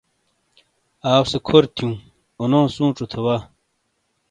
آؤسے کھور تھیوں، اونو سوچو تھے وا۔